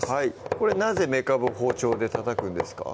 これなぜめかぶを包丁でたたくんですか？